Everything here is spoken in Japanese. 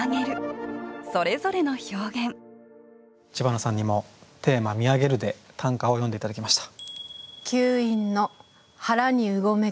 知花さんにもテーマ「見上げる」で短歌を詠んで頂きました。